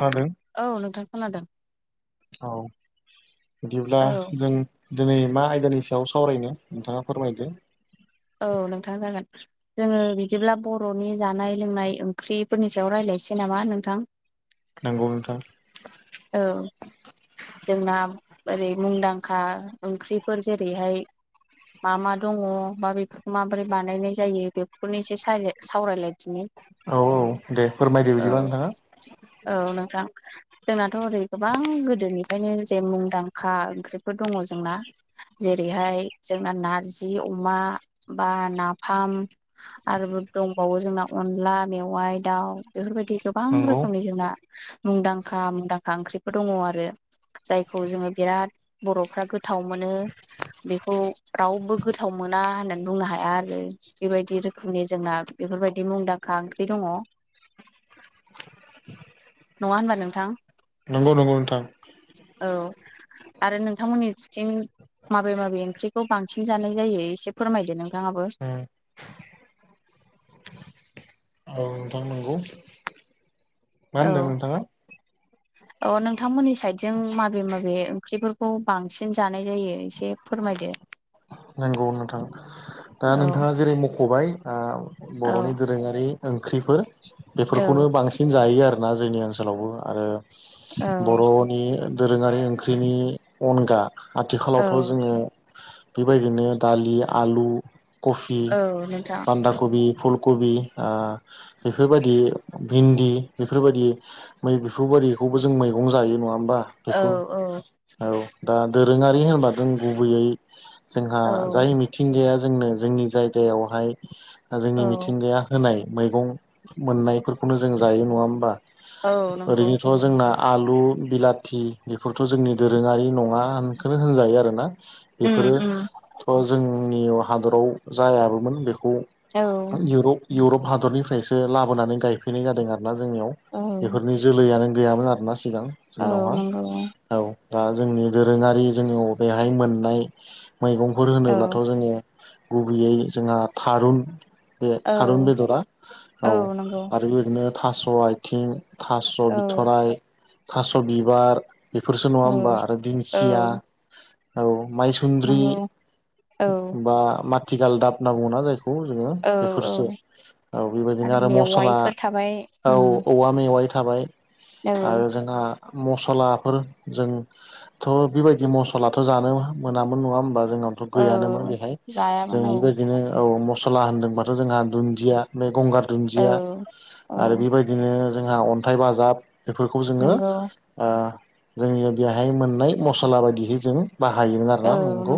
जादों औ नोंथां खोनादों औ बिदिब्ला औ जों दिनै मा आयदानि सायाव सावरायनो नोंथाङा फोरमायदो औ नोंथां जागोन जोङो बिदिब्ला बर'नि जानाय लोंनाय ओंख्रिफोरनि सायाव रायज्लाय नोसै नामा नोंथां नोंगौ नोंथां औ जोंना ओरै मुंदांखा ओंख्रिफोर जेरैहाय मा मा दङ बा बेफोरखौ माबोरै बानायनाय जायो बेफोरखौनो एसे सावरायलायदिनि औ औ दे फोरमायदो औ बिदिबा नोंथाङा औ नोंथां जोंनाथ' ओरै गोबां गोदोनि फायनो जे मुंदांखा ओंख्रिफोर दङ जोंना जेरैहाय जोंना नारजि अमा बा नाफाम आरो दंबावो जोंना अनला मेवाइ दाव बेफोरबायदि गोबां नंगौ रोखोमनि जोंना मुंदांखा मुंदांखा ओंख्रिफोर दङ आरो जायखौ जोङो बिराद बर'फ्रा गोथाव मोनो बेखौ रावबो गोथाव मोना होननानै बुंनो हाया आरो बेबायदि रोखोमनि जोंना बेफोरबायदि मुंदांखा ओंख्रि दङ नङा होनबा नोंथां नंगौ नंगौ नोंथां औ आरो नोंथांमोननिथिं माबे माबे ओंख्रिखौ बांसिन जानाय जायो एसे फोरमायदो नोंथाङाबो उम औ नोंथां नंगौ मा होनदों नोंथाङा अ नोंथांमोननि साइडजों माबे माबे ओंख्रिफोरखौ बांसिन जानाय जायो एसे फोरमायदो नांगौ नोंथां दा औ नोंथाङा जेरै मख'बाय औ बर'नि दोरोङारि ओंख्रिफोर औ बेफोरखौनो बांसिन जायो आरोना जोंनि ओनसोलावबो आरो औ बर'नि दोरोङारि ओंख्रिनि अनगा औ आथिखालावथ' जोङो बेबायदिनो दालि आलु कफि औ नोंथां बान्दा कबि फुल कबि आ बेफोरबायदि भिन्दि बेफोरबायदि बेफोरबायदिखौबो जों मैगं जायो नङा होन बा औ बेफोर औ औ दा दोरोङारि होनबा जों गुबैयै जोंहा औ जाय मिथिंगाया जोंनो जोंनि जायगायावहाय जोंनि औ मिथिंगाया होनाय मैगं मोननायफोरखौनो जों जायो नङा होमबा औ नंगौ ओरैनोथ' जोंना आलु बिलाथि बेफोरथ' जोंनि दोरोङारि नङा होनखौनो होनजायो आरोना उम उम बेफोरोथ' जोंनि हादराव जायाबोमोन बे खौ औ इउरप इउरप हादरनिफ्रायसो लाबोनानै गायफैनाय जादों आरो ना जोंनियाव औ बेफोरनि जोलैयानो गैयामोन आरोना सिगां औ जोंनावहा नंगौ औ दा जोंनि दोरोङारि जोंनियाव बेहाय मोननाय मैगंफोर औ होनोब्लाथ' जोङो गुबैयै जोंहा थारुन बे औ थारुन बेदरा औ आरो बिदिनो थास' आथिं थास' औ बिथराइ थास' बिबार बेफोरसो नङा होमबा औ आरो औ दिंखिया औ माइसुन्द्रि नंगौ औ बा माथिगालदाब होनना बुङाना जायखौ जोङो औ बेफोरसो औ बेबायदिनो आरो मस्ला मेवाइफोर थाबाय औ उम औवा मेवाइ थाबाय औ आरो जोंहा मसलाफोर जोंथ' बेबायदि मस्लाथ' जानो मोनामोन नङा होमबा जोंनाव औ गैयानोमोन बेहाय जों जायामोन औ बेबायदिनो औ मस्ला होनदोंबाथ' जोंहा दुन्जिया गंगार औ दुन्दिया औ आरो बेबायदिनो जोंहा अन्थाइ बाजाब बेफोरखौ जोङो नंगौ आ जोंनिया बेहाय मोननाय मसला बायदिहै जों बाहायोमोन आरोना नंगौ।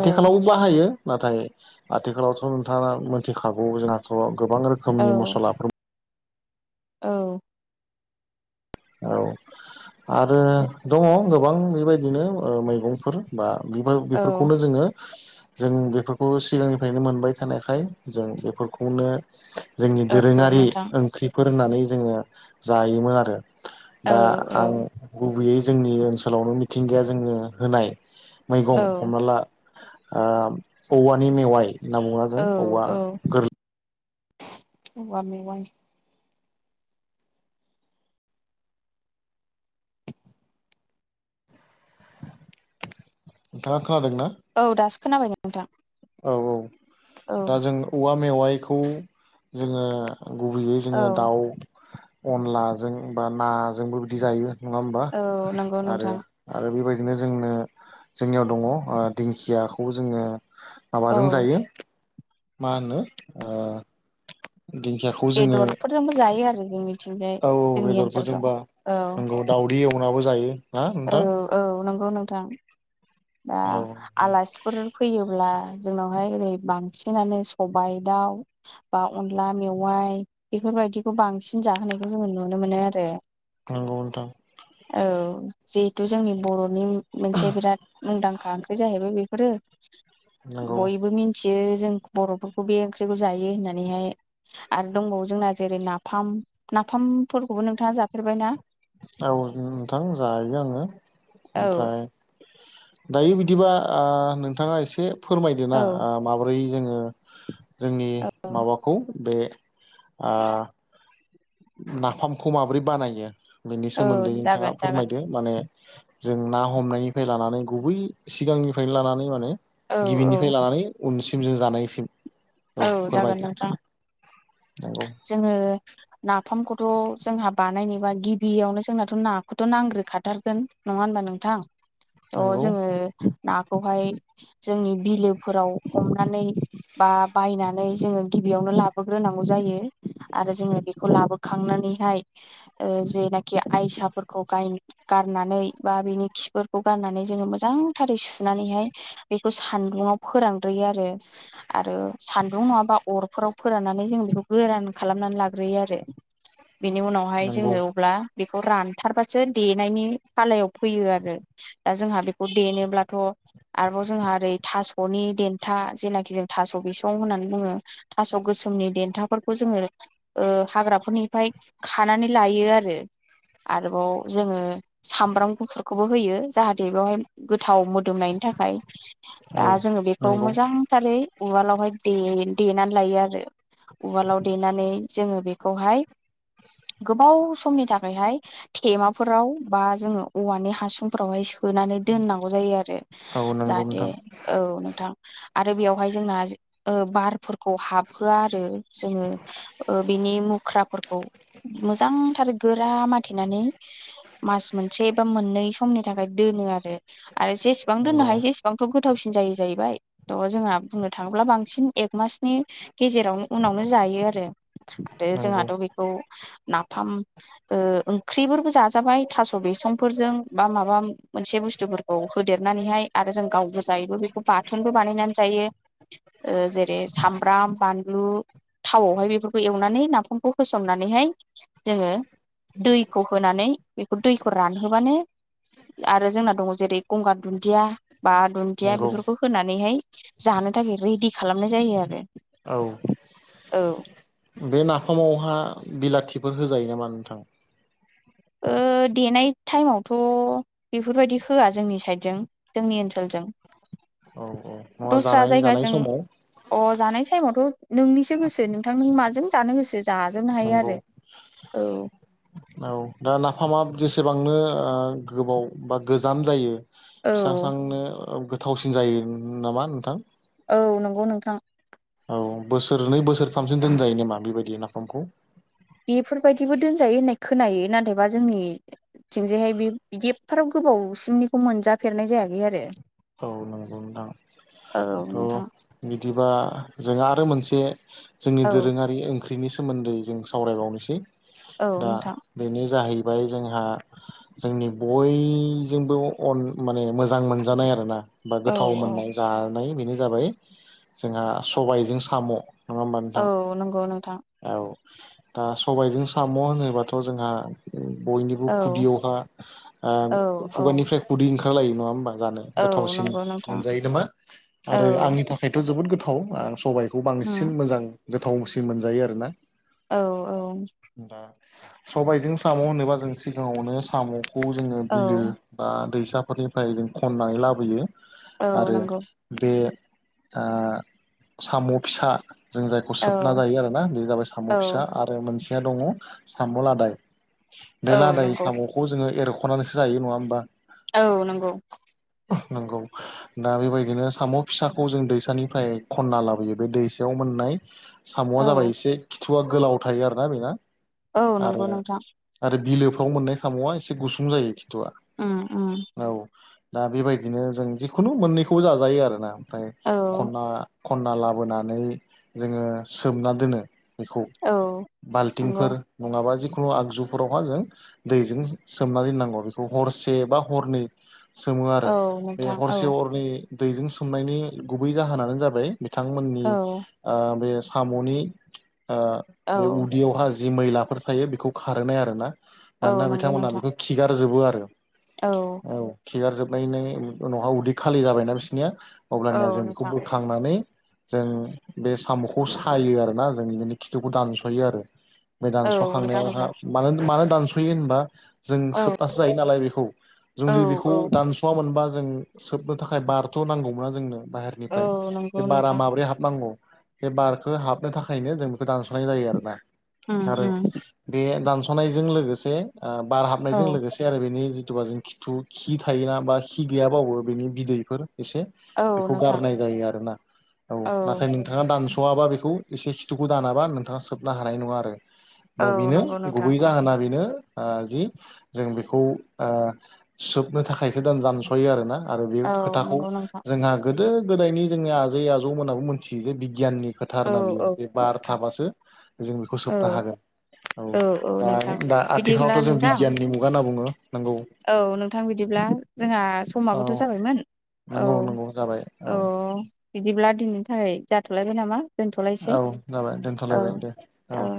औ बाहायो नाथाय आथिखालावथ' नोंथाङा मोनथिखागौ जोंहाथ' गोबां औ रोखोमनि मस्लाफो औ औ आरो दङ गोबां बेबायदिनो ओ मैगंफोर बा [unintelligible] औ बेफोरखौनो जोङो जों बेफोरखौ सिगांनिफ्रायनो मोनबाय थानायखाय जों बेफोरखौनो जोंनि औ दोरोङारि नोंथां ओंख्रिफोर होननानै जोङो जायोमोन आरो औ दा आं औ गुबैयै जोंनि ओनसोलावनो मिथिंगाया जोनो होनाय मैगं औ हमना ला ओ औवानि मेवाइ ना औ मावाजों औवा औ गोर औवा मेवाय नोंथाङा खोनादोंना? औ दासो खोनाबाय नोंथां औ औ औ दा जों औवा मेवाइखौ जोङो गुबैयै औ जोङो दाउ अनलाजों बा नाजोंबो बिदि जायो। नङा होमबा औ नंगौ आरो नोंथां आरो बेबायदि दिनो जोंनो जोंनियाव दङ ओ दिंखियाखौ जोङो औ माबाजों जायो मा होनो ओ दिंखियाखौ जोङो बेदरफोरजोंबो जायो आरो जोंनिथिंजाय औ औ जोंनि ओनसोलफ्राव बेदरफोरजोंबा औ नंगौ दाउदै एवनाबो जायो ना औ नोंथां। औ नंगौ नोंथां दा औ आलासिफोर फैयोब्ला जोंनावहाय ओरै बांसिनानो सबाइ दाउ बा अनला मेवाइ बेफोर फोरबायदिखौ बांसिन जाहोनायखौ जोङो नुनो मोनो आरो नंगौ नोंथां औ जिहेथु जोंनि बर'नि मोनसे बिराद मुंदांखा ओंख्रि जाहैबाय बेफोरो नंगौ बयबो मिथि यो जों बर'फोरखौ बे ओंख्रिखौ जायो होननानैहाय आरो दंबावो जोंना जेरै नाफाम नाफामफोरखौबो नोंथाङा जाफेरबायना औ नोंथां जायो आङो औ ओमफ्राय दायो बिदिबा आ नोंथाङा एसे फोरमायदोना औ आ माबोरै जोङो जोंनि माबाखौ बे आ नाफामखौ माबोरै बानायो बेनि औ सोमोन्दै नोंथाङा जागोन जागोन फोरमायदो माने जों ना हमनायनिफ्राय लानानै गुबै सिगांनिफ्रायनो लानानै माने औ औ गिबिनिफ्राय लानानै उनसिम जों जानायसिम औ जागोन नोंथां नंगौ जोङो ना फामखौथ' जोंहा बानायनोबा गिबियावनो जोंनाथ' नाखौथ' नांग्रोखाथारगोन नङा होनबा नोंथां। थ' नंगौ जोङो नाखौहाय जोंनि बिलोफोराव हमनानै बा बायनानै जोङो गिबियावनो लाबोग्रोनांगौ जायो। आरो जोङो बेखौ लाबोखांनानैहाय ओ जेनाखि आयसाफोरखौ गाय गारनानै बा बिनि खिफोरखौ गारनानै जोङो मोजांथारै सुनानै हाय सान्दुंआव फोरानग्रोयो आरो आरो सान्दुं नङाबा अरफोराव फोराननानै जों बेखौ गोरान खालामनानै लाग्रोयो आरो बेनि उनावहाय नंगौ जोङो अब्ला बेखौ रानथारबासो देनायनि फालायाव फैयो आरो दा जोंहा बेखौ देनोब्लाथ' आरोबाव जोंहा ओरै थास'नि देन्था जेनाखि जों थास' बिसं होननानै बुङो थास' गोसोमनि देथाफोरखौ जोङो ओ हाग्राफोरनिफ्राय खानानै लायो आरो आरोबाव जोङो सामब्राम गुफुरखौबो होयो जाहाथे बेवहाय गोथाव मोदोमनायनि थाखाय। औ दा जोङो बेखौ नंगौ मोजांथारै उवालावहाय देनानै लायो आरो उवालाव देनानै नै जोङो बेखौहाय। गोबाव समनि थाखायहाय थेमाफोराव बा जोङो औवानि हासुंफोरावहाय स होनोनानै दोननांगौ जायो आरो औ नंगौ ।जाहाथे नोंथां औ नोंथां आरो बेयावहाय जोंना बारफोरखौ हाबहोआ आरो जोङो। बिनि मुख्राफोरखौ मोजांथार गोरा माथेनानै मास मोनसे बा मोननै समनि थाखाय दोनो आरो आरो जेसेबां नंगौ दोननो हायो जेसेबांथ' गोथावसिन जायो। जाहैबाय थ जोंहा बुंनो थाङोब्ला बांसिन एक मासनि गेजेरावनो उनावनो जायो आरो। आरो नंगौ जोंहाथ' बेखौ नाफाम ओंख्रिफोरबो जाजाबाय। थास' बिसंफोरजों बा माबा मोनसे बुस्थुफोरखौ होदेरनानैहाय आरो जों गावगोजायैबो जायोबो बे बाथोनबो बानायनानै जायो जेरै सामब्राम बानलु थावआवहाय बेफोरखौ एवनानै नाफामखौ होसननानैहाय जोङो दैखौ होनानै बेखौ दैखौ रानहोबानो आरो जोंना दङ जेरै गंगार दुन्दिया बा दुन्दिया नंगौ बेफोरखौ होनानैहाय जानो थाखाय रेडि खालामनाय जायो आरो। औ। औ। बे नाफामावहय बिलाथिफोर होजायो नामा नोंथां? ओ देनाय टाइमावथ' बेफोरबायदि होआ जोंनि साइडजों जोंनि ओनसोलजों। औ औ नङा दस्रा जानाय जानाय जायगाजों समाव अ जानायसै टाइमावथ' नोंनिसो गोसो नोंथां माजों जानो गोसो जाजोबनो हायो नंगौ आरो। औ। औ दा नाफामा जेसेबांनो गोबाव बा गोजाम जायो। औ फिसा स्रांनो गोथावसिन जायो नामा नोंथां? औ नंगौ नोंथां। औ बोसोरनै बोसोरथामसिम दोनजायो नामा बेबायदि नाफामखौ? बेफोरबायदिबो दोनजायो होननाय खोनायो नाथायबा जोंनि बिथिंजायहाय बे बिदि एफ्राराब गोबावसिमनिखौ मोनजाफेरनाय जायाखै आरो। औ नंगौ नोंथां औ थ' नोंथां बिदिबा जों आरो मोनसे जोंनि औ दोरोङारि ओंख्रिनि सोमोन्दै जों सावरायबावनोसै औ दा नोंथां बेनो जाहै बाय जोंहा। जोंनि बयजोंबो माने मोजां मोनजानाय आरोना बा औ गोथाव औ मोननाय जानाय बेनो जाबाय जोंहा सबायजों साम' नङा होमबा नोंथां औ नंगौ नोंथां। औ दा सबायजों साम' होनोबाथ' जोंहा। बयनिबो औ खुगायावहय ओ औ औ खुगानिफ्राय खुदै ओंखारलायो नङा होमबा। जानो औ गोथावसिन नंगौ नोंथां मोनजायो नामा औ आरो आंनि थाखायथ' जोबोद गोथाव आं सबाय बेखौ उम बांसिन मोजां गोथावसिन मोनजायो आरोना औ औ। दा सबायजों साम' होनोबा जों सिगाङावनो साम'खौ जोङो औ बिलो बा दैैसाफोरनिफ्राय जों खननानै लाबोयो औ आरो नंगौ बे आ साम' फिसा जों जायखौ औ सोबना जायो आरोना बे जाबाय साम' औ फिसा आरो मोनसेया दङ साम' लादाय। बे औ लादाय नंगौ साम'खौ जोङो एरख'नानैसो जायो नङा होमबा। औ नंगौ। नंगौ। दा बेबायदिनो साम' फिसाखौ जों दैसानिफ्राय खन्ना लाबोयो बे दैसायाव मोननाय साम'आ औ जाबाय एसे खिथुवा गोलाव थायो आरोना बेना औ आरो नंगौ नोंथां आरो बिलो न आव मोननाय साम'आ एसे गुसुं जायो खिथुआ उम उम औ दा बेबायदिनो जों खुनु मोननैखौबो जाजायो आरो ना ओमफ्राय औ खनना खन्ना लाबोनानै जोङो सोमना दोनो बेखौ औ नंगौ बाल्थिंफोर नङाबा जेखुनु खुनु आगजुफोरावहाय जों दैजों सोमनानै नांगौ बेखौ हरसे बा हरनै सोमो आरो औ बे नोंथां औ हरसे हरनै दैजों सोमनायनि गुबै जाहोनानो जाबाय। बिथांमोननि औ बे साम'नि औ बे उदैयाव हाजो। जि मैलाफोर थायो बेखौ खारहोनाय आरो ना औ मानोना नंगौ बिथांमोनहा नोंथां बेखौ खिगारजोबो आरो। औ खेगारजोबनायनिनायनि उनावहा उदै खालि जाबायना बिसिनिया औ अबब्लानिया जों बेखौ नोंथां बोखांनानै जों बे साम'खौ सायो आरोना जों बिदिनो खिथुखौ दानस'यो आरो। बे औ नोंथां दानस'खांनायावहा नंगौ मानो मानो दानस'यो होनबा जों औ सोबबासो जायो नालाय बेखौ जों औ बेखौ दानस'वा मोनबा। जों सोबनो थाखाय बारथ' नांगौमोना जोंनो औ बाहेरनिफ्राय बे नंगौ बारा नोंथां माब्रै हाबनांगौ। बे बारखौ हाबनो थाखायनो जों बेखौ दानस'नाय जायो आरो ना। उम आरो उम बे दानस'नायजों लोगोसे बार औ हाबनायजों लोगोसे आरो बेनि खुगाजों खिथु खि थायोना बा खि गैयाबाबो बेनि बिदैफोर एसे औ बेखौ नोंथां गारनाय जायो आर ना औ नाथाय नोंथाङा दानस'वाबा बेखौ एसे खिथुखौ दानाबा नोंथाङा सोबनो हानाय नङा आरो। दा औ बेनो नंगौ नोंथां गुबै नंगौ जाहोना बेनो जि जों बेखौ सोबनो थाखायसो दान दानस'यो आर ना आरो बे औ खोथाखौ नंगौ नोंथां। जोंहा गोदो गोदायनि जोंनि आजै आजौमोनाबो मिथियो जे बिगियाननि खोथा आर औ ना बियो औ बे बार नोंथां थाबासो जों बेखौ औ सोबनो हागोन। औ औ दा नोंथां दा बिदिब्ला आथिखालावथ' जों नोंथां बिगियाननि मुगा होनना बुङो। नंगौ औ नोंथां बिदिब्ला जोंहा औ समाबोथ' जाबायमोन औ नंगौ नंगौ जाबाय औ बिदिब्ला दिनैनि थाखाय जाथ'लायबाय नामा? दोनथ'लायसै औ जाबाय औ दोनथ'लायबाय दे औ